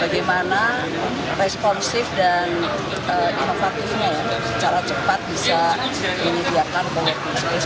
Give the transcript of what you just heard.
bagaimana responsif dan inovatifnya cara cepat bisa menyediakan coworking space